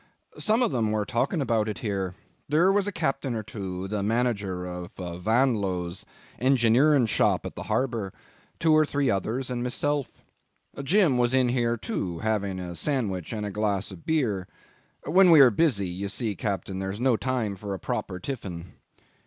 Some of them were talking about it here. There was a captain or two, the manager of Vanlo's engineering shop at the harbour, two or three others, and myself. Jim was in here too, having a sandwich and a glass of beer; when we are busy you see, captain there's no time for a proper tiffin.